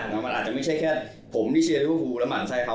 มันอาจจะไม่ใช่แค่ผมที่เชียร์ด้วยผู้และมันไส้เขา